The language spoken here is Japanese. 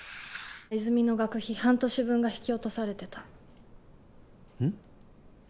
泉実の学費半年分が引き落とされてたうん？